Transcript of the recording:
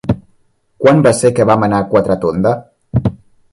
Quan va ser que vam anar a Quatretonda?